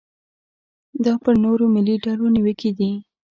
دا پر نورو ملي ډلو نیوکې دي.